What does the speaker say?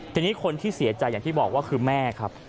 ทีนี้คนที่เสียใจอย่างที่บอกว่าคือแม่ครับ